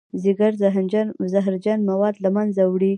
ځیګر زهرجن مواد له منځه وړي